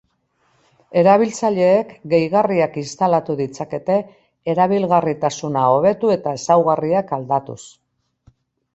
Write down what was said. Erabiltzaileek gehigarriak instalatu ditzakete erabilgarritasuna hobetu eta ezaugarriak aldatuz.